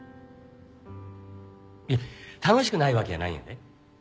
いや楽しくないわけやないんやで。